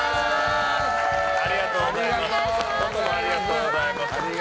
ありがとうございます。